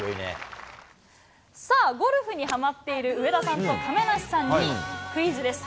さあ、ゴルフにはまっている上田さんと亀梨さんにクイズです。